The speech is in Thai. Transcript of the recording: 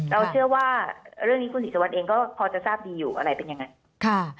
เราเชื่อว่าเรื่องนี้คุณศรีสุวรรณเองก็พอจะทราบดีอยู่อะไรเป็นยังไง